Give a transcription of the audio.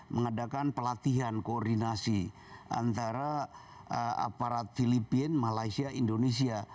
mengadakan pelatihan koordinasi antara aparat filipina malaysia indonesia